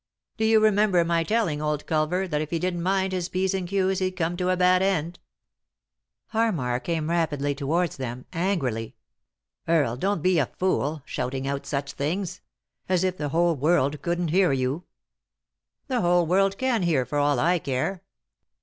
" Do you remember my telling old Culver that if be didn't mind his P's and Q's he'd come to a bad end ?" Harmar came rapidly towards them— angrily. " Earle, don't be a fool— shouting out such things 1 — as if the whole world couldn't hear you 1 "" The whole world can hear for all I care."